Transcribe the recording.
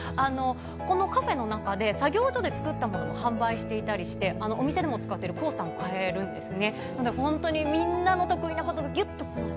このカフェの中で、作業所で作ったものも販売していたりして、お店でも使っているコースターも買えるんですね。